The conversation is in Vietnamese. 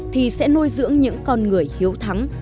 thì sẽ nuôi dưỡng những con người hiếu thắng